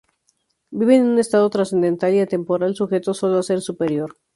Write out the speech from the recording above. Viven en un estado trascendental y atemporal sujetos sólo a un Ser Superior.